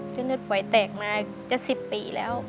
จนเลือดฝอยแตกมาจะ๑๐ปีแล้ว